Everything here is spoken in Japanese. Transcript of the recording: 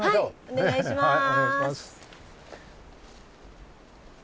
お願いします。